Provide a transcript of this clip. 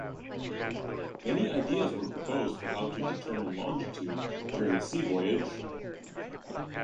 Many ideas were proposed for how to determine longitude during a sea voyage.